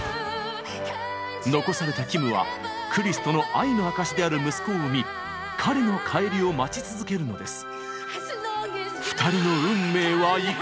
残されたキムはクリスとの愛の証しである息子を産み彼の帰りを待ち続けるのです。